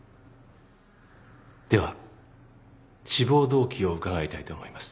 では志望動機を伺いたいと思います。